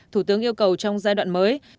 thủ tướng yêu cầu trong giai đoạn mới